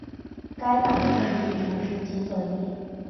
该党的政治立场是极左翼。